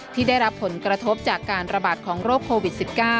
ที่ได้รับผลกระทบจากการระบาดของโรคโควิด๑๙